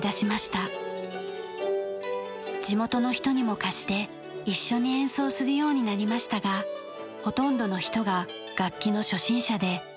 地元の人にも貸して一緒に演奏するようになりましたがほとんどの人が楽器の初心者で初めは大変でした。